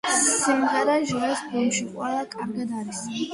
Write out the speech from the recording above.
სიმღერა ჟღერს ფილმში „ყველა კარგად არის“.